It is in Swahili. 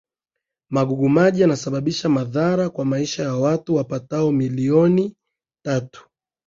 Magugu maji yanasababisha madhara kwa maisha ya watu wapatao milioni tatu